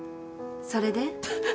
それで？